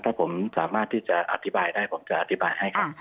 ถ้าผมสามารถที่จะอธิบายได้ผมจะอธิบายให้ครับ